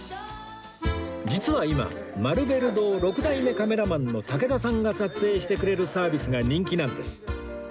実は今マルベル堂６代目カメラマンの武田さんが撮影してくれるサービスが人気なんです